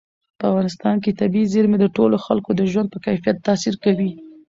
په افغانستان کې طبیعي زیرمې د ټولو خلکو د ژوند په کیفیت تاثیر کوي.